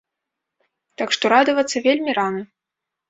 Так што радавацца вельмі рана.